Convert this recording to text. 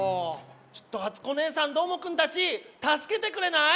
ちょっとあつこおねえさんどーもくんたちたすけてくれない？